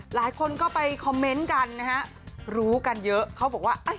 หลายคนก็ไปคอมเมนต์กันนะฮะรู้กันเยอะเขาบอกว่า